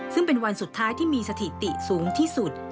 ซึ่งเป็นวันสุดท้ายที่มีสถิติสูงที่สุด